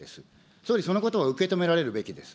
総理、そのことを受け止められるべきです。